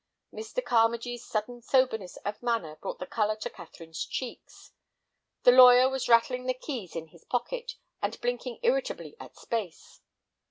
Mr. Carmagee's sudden soberness of manner brought the color to Catherine's cheeks. The lawyer was rattling the keys in his pocket, and blinking irritably at space.